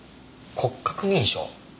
骨格認証？